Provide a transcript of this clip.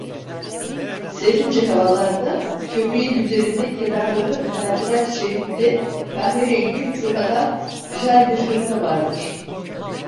Serince havalarda köpeğin üzerinde kenarları lacivert şeritli kahverengi çuhadan güzel bir hırka vardır.